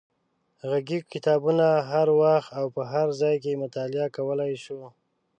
غږیز کتابونه هر وخت او په هر ځای کې مطالعه کولای شو.